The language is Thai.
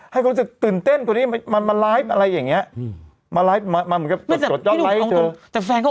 ให้คนรู้สึกตื่นเต้นตัวนี้มามาอะไรอย่างเงี้ยอืมมาคือชดไล็ต์